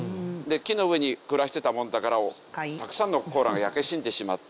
木の上に暮らしていたものだからたくさんのコアラが焼け死んでしまった。